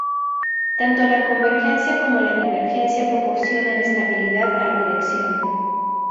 Tanto la convergencia como la divergencia proporcionan estabilidad a la dirección.